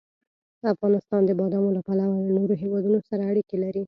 افغانستان د بادامو له پلوه له نورو هېوادونو سره اړیکې لري.